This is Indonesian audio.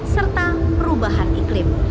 serta perubahan iklim